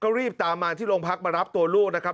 ก็รีบตามมาที่โรงพักมารับตัวลูกนะครับ